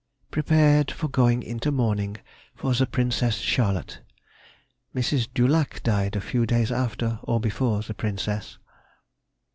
_—Prepared for going into mourning for the Princess Charlotte. Mrs. De Luc died a few days after or before the Princess.